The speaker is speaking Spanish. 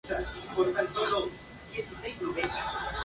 Shaun es de ascendencia irlandesa y maltesa.